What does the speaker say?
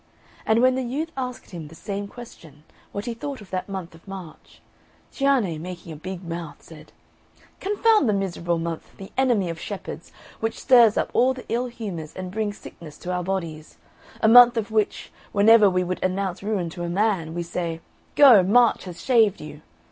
And when the youth asked him the same question, what he thought of that month of March, Cianne, making a big mouth, said, "Confound the miserable month! the enemy of shepherds, which stirs up all the ill humours and brings sickness to our bodies. A month of which, whenever we would announce ruin to a man, we say, Go, March has shaved you!'